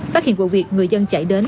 phát hiện vụ việc người dân chạy đến